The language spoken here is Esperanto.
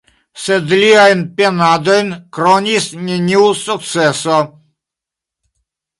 Sed liajn penadojn kronis neniu sukceso.